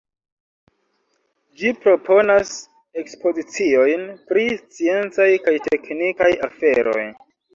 Ĝi proponas ekspoziciojn pri sciencaj kaj teknikaj aferoj.